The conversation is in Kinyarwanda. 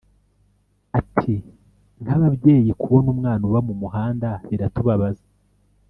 Ati “Nk’ababyeyi kubona umwana uba mu muhanda biratubabaza